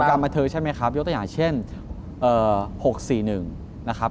กรรมบันเทิงใช่ไหมครับยกตัวอย่างเช่น๖๔๑นะครับ